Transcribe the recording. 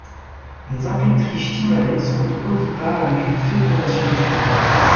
Les Empetrichthyinae sont ovipares avec une fécondation externe.